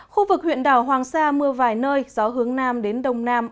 khu vực huyện đảo hoàng sa mưa vài nơi gió hướng nam đến đông nam